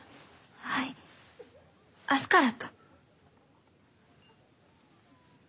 はい明日からと。